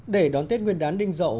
để đón tết nguyên đán đinh dậu